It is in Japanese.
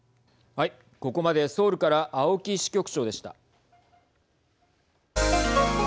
ここまでソウルから青木支局長でした。